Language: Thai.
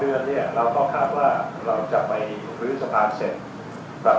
เดือนเนี่ยเราก็คาดว่าเราจะไปลื้อสะพานเสร็จครับ